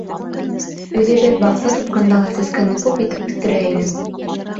Үҙебеҙ баҡса тотҡанда ла сәскәне күп итеп үҫтерә инем.